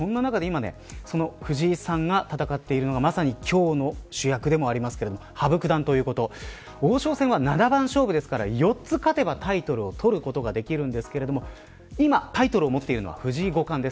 その中で藤井さんが今戦っているのがまさに今日の主役でもある羽生九段ということですが王将戦は七番勝負ですから４つ勝てばタイトルを取ることができるんですが今、タイトルを持っているのは藤井五冠です。